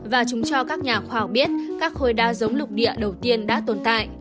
và chúng cho các nhà khoảng biết các khối đa giống lục địa đầu tiên đã tồn tại